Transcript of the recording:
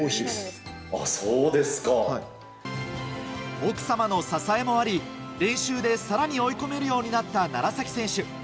奥様の支えもあり、練習で更に追い込めるようになった楢崎選手。